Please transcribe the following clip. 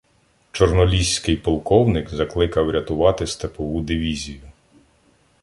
Чорноліський полковник закликав рятувати Степову дивізію.